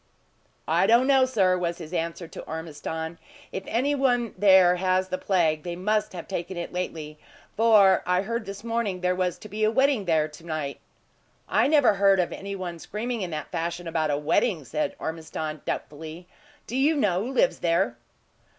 "I don't know, sir," was his answer to Ormiston. "If any one there has the plague, they must have taken it lately; for I heard this morning there was to be a wedding there to night." "I never heard of any one screaming in that fashion about a wedding," said Ormiston, doubtfully. "Do you know who lives there?"